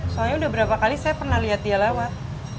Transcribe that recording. soalnya udah berapa kali saya pernah lihat dia lawan